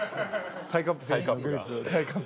タイ・カッブ選手のグリップ。